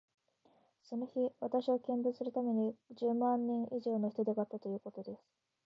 その日、私を見物するために、十万人以上の人出があったということです。